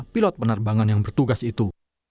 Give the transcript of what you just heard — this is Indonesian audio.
pilot penerbangan yang bertugas itu